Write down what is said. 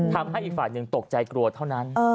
ทำให้อีฝ่านยังตกใจกลัวเท่านั้น